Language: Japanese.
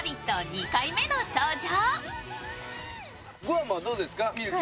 ２回目の登場。